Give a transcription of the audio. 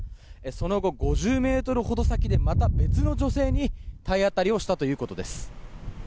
その後、５０ｍほど先でまた別の女性に体当たりをしたということです。